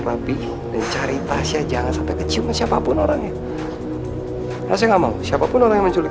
lebih mencari tasya jangan sampai kecium siapapun orangnya saya nggak mau siapapun orang menculik